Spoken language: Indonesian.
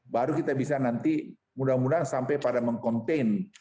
baru kita bisa nanti mudah mudahan sampai pada mengcontain